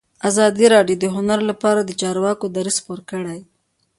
ازادي راډیو د هنر لپاره د چارواکو دریځ خپور کړی.